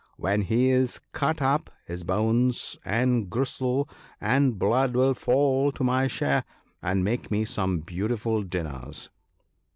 When he is cut up, his bones, and gristle, and blood will fall to my share and make me some beautiful dinners."